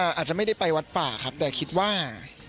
อาจจะไม่ได้ไปวัดป่าครับแต่คิดว่า